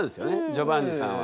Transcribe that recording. ジョバンニさんは。